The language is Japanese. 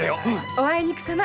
おあいにくさま！